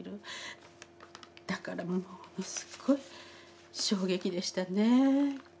だからもうすごい衝撃でしたね。